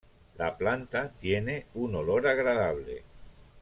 La planta tiene un olor agradable.